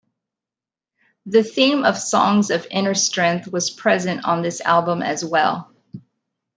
The theme of songs of inner-strength was present on this album as well.